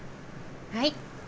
はい。